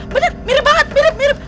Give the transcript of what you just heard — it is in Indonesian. mirip mirip banget mirip mirip